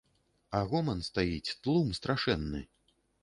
А гоман стаіць, тлум страшэнны.